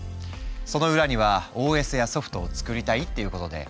その裏にはＯＳやソフトを作りたいっていうことで「Ｃ言語」が。